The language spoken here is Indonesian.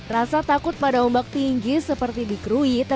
rasa takut pada ombak tinggi seperti di krui